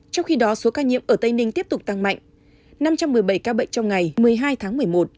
trong khi đó số ca nhiễm ở tây ninh tiếp tục tăng mạnh năm trăm một mươi bảy ca bệnh trong ngày một mươi hai tháng một mươi một